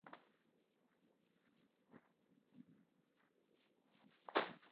El equipo perdió la Copa Continental frente al Club Esportiu Noia.